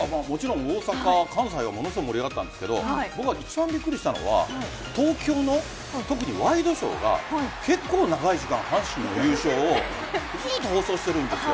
大阪、関西はものすごく盛り上がったんですけど一番びっくりしたのは東京の、特にワイドショーが結構長い時間、阪神の優勝をずっと放送しているんですよ。